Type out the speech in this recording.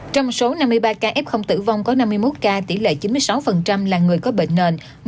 trong số năm mươi ba ca f tử vong có năm mươi một ca tỷ lệ chín mươi sáu là người có bệnh nền